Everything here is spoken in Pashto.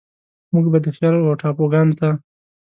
موږ به د خيال و ټاپوګانوته،